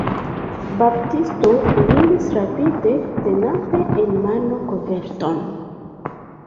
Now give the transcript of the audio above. Baptisto eniris rapide, tenante en mano koverton.